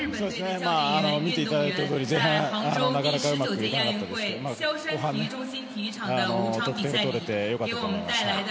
見ていただいたとおり前半なかなかうまくいかなかったですけど後半、得点もとれて良かったと思いました。